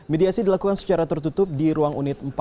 mediasi dilakukan secara tertutup di ruang unit empat